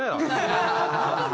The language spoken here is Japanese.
ハハハハ！